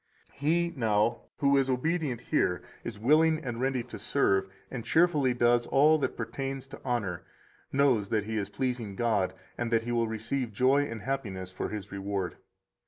151 He, now, who is obedient here, is willing and ready to serve, and cheerfully does all that pertains to honor, knows that he is pleasing God and that he will receive joy and happiness for his reward.